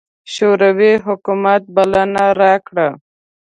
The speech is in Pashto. شوروي حکومت بلنه راکړه.